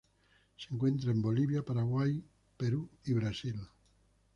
Se encuentra en Bolivia Paraguay Perú y Brasil